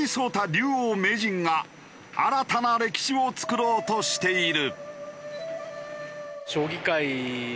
竜王・名人が新たな歴史を作ろうとしている。